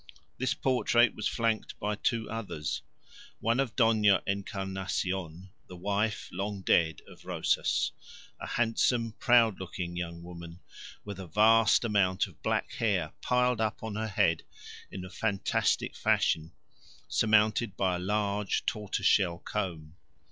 This portrait was flanked by two others; one of Dona Encarnacion, the wife, long dead, of Rosas; a handsome, proud looking young woman with a vast amount of black hair piled up on her head in a fantastic fashion, surmounted by a large tortoiseshell comb.